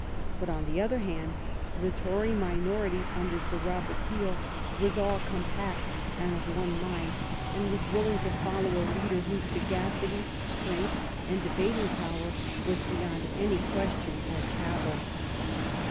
But, on the other hand, the Tory minority under Sir Robert Peel was all compact and of one mind, and was willing to follow a leader whose sagacity, strength, and debating power were beyond any question or cavil.